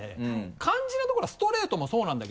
肝心なところはストレートもそうなんだけど。